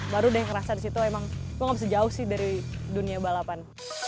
baru deh ngerasa di situ emang gue gak bisa jauh sih dari dunia balapan